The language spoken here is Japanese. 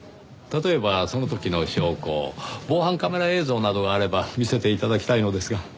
例えばその時の証拠防犯カメラ映像などがあれば見せて頂きたいのですが。